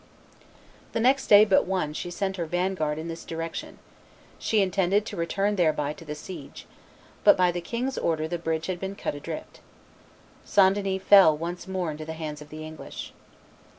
The next day but one she sent her vanguard in this direction; she intended to return thereby to the siege; but, by the king's order, the bridge had been cut adrift. St. Denis fell once more into the hands of the English.